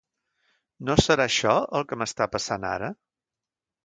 ¿No serà això, el que m'està passant ara?